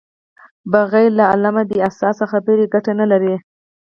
بغیر له علمه بې اساسه خبرې ګټه نلري.